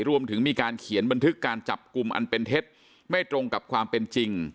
รวมถึงมีการเขียนบันทึกการจับกลุ่มอันเป็นเท็จไม่ตรงกับความเป็นจริง